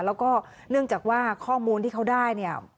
แล้วก็เนื่องจากว่าข้อมูลที่เขาได้เนี่ย